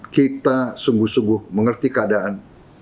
kita sungguh sungguh mengerti keadaan